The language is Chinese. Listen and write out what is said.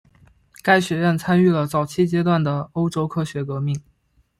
该学院参与了早期阶段的欧洲科学革命。